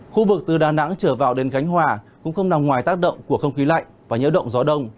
khu vực từ đà nẵng trở vào đến khánh hòa cũng không nằm ngoài tác động của không khí lạnh và nhiễu động gió đông